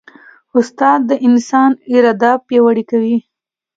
استاد د انسان اراده پیاوړې کوي.